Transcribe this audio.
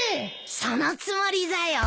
そのつもりだよ。